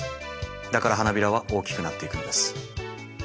だから花びらは大きくなっていくんです。